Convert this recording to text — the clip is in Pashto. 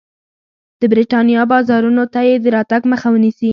د برېټانیا بازارونو ته یې د راتګ مخه ونیسي.